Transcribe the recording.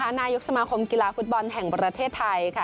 นายกสมาคมกีฬาฟุตบอลแห่งประเทศไทยค่ะ